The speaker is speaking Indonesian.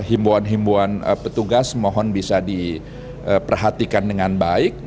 imbauan imbauan petugas mohon bisa diperhatikan dengan baik